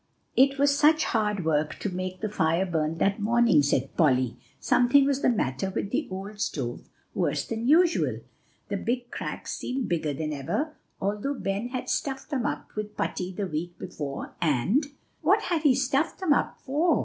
"It was such hard work to make the fire burn that morning," said Polly. "Something was the matter with the old stove worse than usual. The big cracks seemed bigger than ever, although Ben had stuffed them up with putty the week before, and" "What had he stuffed them up for?"